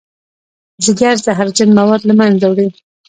ځیګر زهرجن مواد له منځه وړي